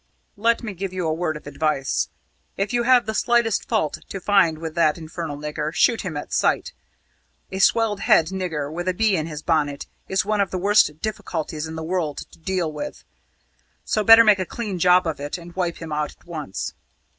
"Let me give you a word of advice: If you have the slightest fault to find with that infernal nigger, shoot him at sight. A swelled headed nigger, with a bee in his bonnet, is one of the worst difficulties in the world to deal with. So better make a clean job of it, and wipe him out at once!"